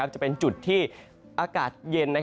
จะเป็นจุดที่อากาศเย็น